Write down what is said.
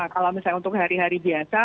kalau misalnya untuk hari hari biasa